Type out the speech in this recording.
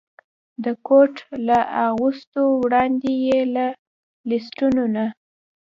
د کوټ له اغوستو وړاندې مې له لستوڼو نه.